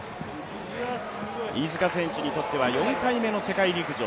飯塚選手にとっては４回目の世界陸上。